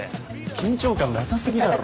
緊張感なさ過ぎだろ！